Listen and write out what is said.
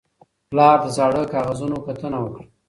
پلار د زاړه کاغذونو کتنه وکړه